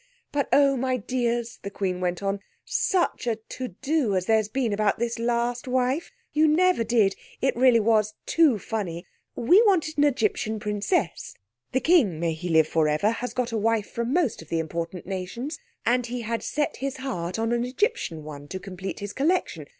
"But oh, my dears," the Queen went on, "such a to do as there's been about this last wife! You never did! It really was too funny. We wanted an Egyptian princess. The King may he live for ever has got a wife from most of the important nations, and he had set his heart on an Egyptian one to complete his collection.